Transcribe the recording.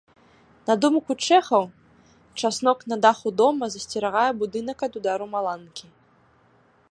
На думку чэхаў, часнок на даху дома засцерагае будынак ад удару маланкі.